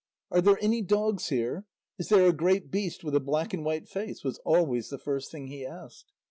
"Are there any dogs here? Is there a great beast with a black and white face?" was always the first thing he asked.